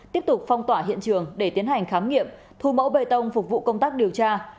tiếp tục phong tỏa hiện trường để tiến hành khám nghiệm thu mẫu bê tông phục vụ công tác điều tra